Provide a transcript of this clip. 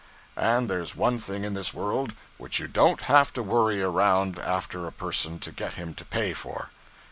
And there's one thing in this world which you don't have to worry around after a person to get him to pay for.